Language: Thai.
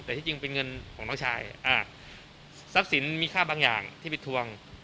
แต่ที่จริงเป็นเงินของน้องชายอ่าทรัพย์สินมีค่าบางอย่างที่ไปทวง